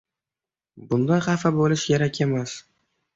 Bundan xafa bo‘lish kerak emas.